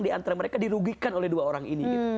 di antara mereka dirugikan oleh dua orang ini